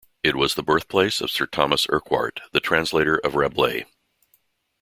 It was the birthplace of Sir Thomas Urquhart, the translator of Rabelais.